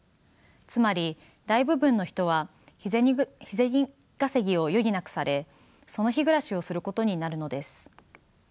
つまり大部分の人は日銭稼ぎを余儀なくされその日暮らしをすることになるのです。